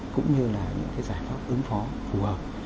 cũng như là những giải pháp ứng phó phù hợp